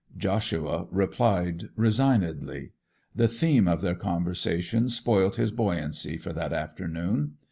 Joshua replied resignedly. The theme of their conversation spoilt his buoyancy for that afternoon.